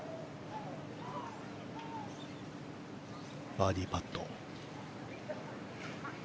バーディーパット。